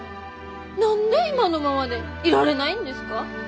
何で今のままでいられないんですか？